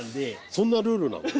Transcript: そんなルールなの？